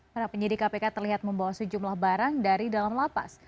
para penyidik kpk terlihat membawa sejumlah barang dari dalam lapas